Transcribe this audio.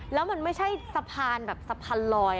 แล้วมันไม่ใช่สะพานแบบสะพานลอย